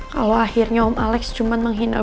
kalau akhirnya om alex cuman menghina gue